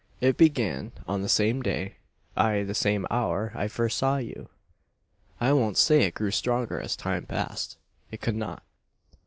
It began on the same day ay, the same hour I first saw you. "I won't say it grew stronger as time passed. It could not.